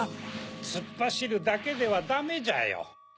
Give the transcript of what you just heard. つっぱしるだけではダメじゃよ。